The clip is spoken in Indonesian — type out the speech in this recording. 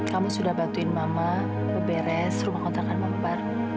kamu sudah bantuin mama beberes rumah kontrakan membar